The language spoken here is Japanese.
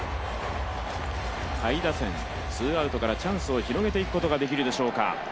下位打線、ツーアウトからチャンスを広げていくことはできるでしょうか。